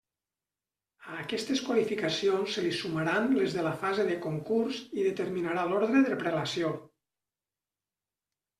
A aquestes qualificacions se li sumaran les de la fase de concurs i determinarà l'ordre de prelació.